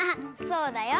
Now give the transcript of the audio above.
そうだよ。